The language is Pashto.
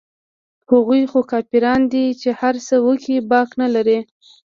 هغوى خو کافران دي چې هرڅه وکړي باک نه لري.